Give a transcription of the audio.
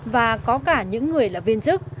và có cả những người là viên chức